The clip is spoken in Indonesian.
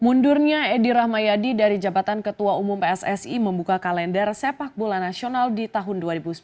mundurnya edi rahmayadi dari jabatan ketua umum pssi membuka kalender sepak bola nasional di tahun dua ribu sepuluh